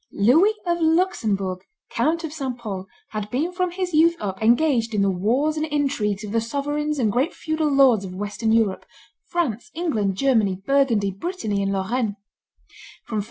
Louis of Luxembourg, Count of St. Pol, had been from his youth up engaged in the wars and intrigues of the sovereigns and great feudal lords of Western Europe France, England, Germany, Burgundy, Brittany, and Lorraine.